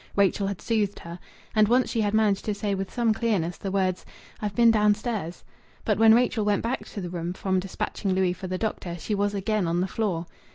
Rachel had soothed her. And once she had managed to say with some clearness the words, "I've been downstairs." But when Rachel went back to the room from dispatching Louis for the doctor, she was again on the floor.